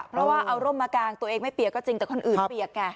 เพราะว่าเอาร่มมากางตัวเองไม่เปียกก็จริงแต่คนอื่นเปียกไง